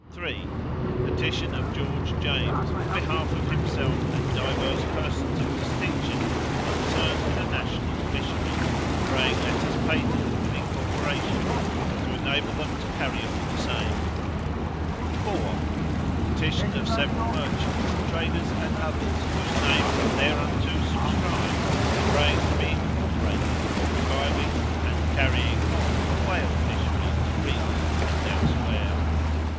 Petition of George James, on behalf of himself and divers persons of distinction concerned in a national fishery, praying letters patent of incorporation, to enable them to carry on the same. "4. Petition of several merchants, traders, and others, whose names are thereunto subscribed, praying to be incorporated for reviving and carrying on a whale fishery to Greenland and elsewhere.